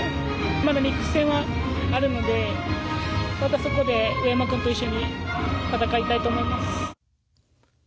まだミックス戦はあるのでまた、そこで上山君と一緒に戦いたいと思います。